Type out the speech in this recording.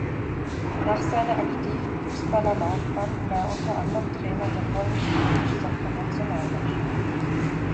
Nach seiner aktiven Fußballerlaufbahn war er unter anderem Trainer der Polnischen Beach-Soccer-Nationalmannschaft.